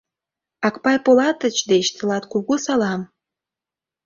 Акпай Полатыч деч тылат кугу салам.